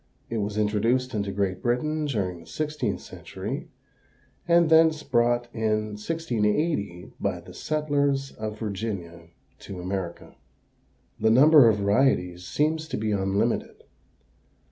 It was introduced into Great Britain during the sixteenth century, and thence brought in 1680 by the settlers of Virginia to America." The number of varieties seems to be unlimited.